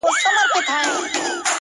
لوړ دی ورگورمه؛ تر ټولو غرو پامير ښه دی؛